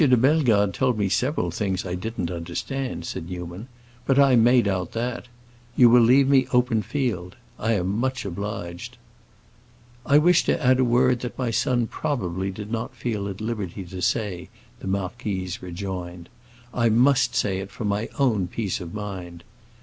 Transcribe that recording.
de Bellegarde told me several things I didn't understand," said Newman, "but I made out that. You will leave me open field. I am much obliged." "I wish to add a word that my son probably did not feel at liberty to say," the marquise rejoined. "I must say it for my own peace of mind.